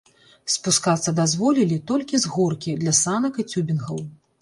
Спускацца дазволілі толькі з горкі для санак і цюбінгаў.